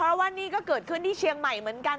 เพราะว่านี่ก็เกิดขึ้นที่เชียงใหม่เหมือนกัน